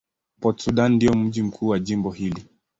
Port Sudan ndio mji mkuu wa jimbo hili.